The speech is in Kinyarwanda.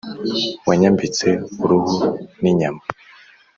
wanyambitse uruhu n’inyama